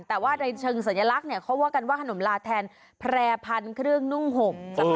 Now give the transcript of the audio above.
แต่ว่าในเชิงสัญลักษณ์เนี่ยเขาว่ากันว่าขนมลาแทนแพร่พันธุ์เครื่องนุ่งห่ม